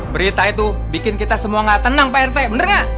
berita itu bikin kita semua gak tenang pak rt bener gak